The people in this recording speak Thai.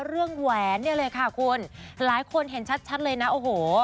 แหวนเนี่ยเลยค่ะคุณหลายคนเห็นชัดเลยนะโอ้โห